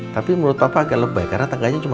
tapi menurut papa agak lebih karena tangganya cuma tiga